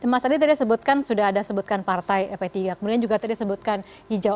mas adi tadi sebutkan sudah ada sebutkan partai p tiga kemudian juga tadi sebutkan hijau